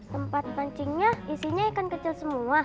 tempat pancingnya isinya ikan kecil semua